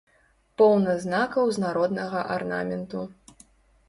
Поўна знакаў з народнага арнаменту.